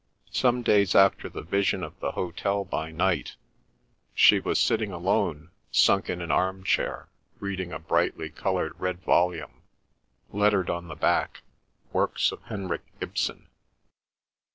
Some days after the vision of the hotel by night she was sitting alone, sunk in an arm chair, reading a brightly covered red volume lettered on the back Works of Henrik Ibsen.